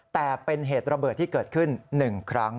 แต่เป็นเหตุระเบิดที่เกิดขึ้น๑ครั้ง